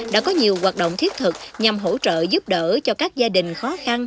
đã có nhiều hoạt động thiết thực nhằm hỗ trợ giúp đỡ cho các gia đình khó khăn